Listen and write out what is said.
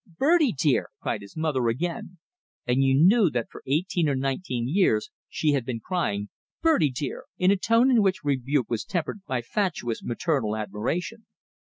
"Bertie dear!" cried the mother, again; and you knew that for eighteen or nineteen years she had been crying "Bertie dear!" in a tone in which rebuke was tempered by fatuous maternal admiration.